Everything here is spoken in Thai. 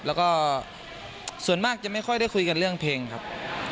แล้วก็ส่วนมากจะไม่ค่อยได้คุยกันเรื่องเพลงครับ